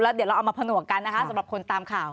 เดี๋ยวเราเอามาผนวกกันนะคะสำหรับคนตามข่าว